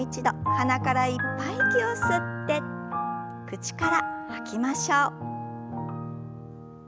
鼻からいっぱい息を吸って口から吐きましょう。